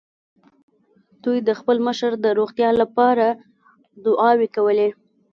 دوی د خپل مشر د روغتيا له پاره دعاوې کولې.